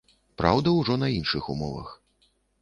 Праўда, ужо на іншых умовах.